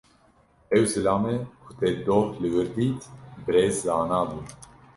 Ew zilamê ku te doh li wir dît, Birêz Zana bû.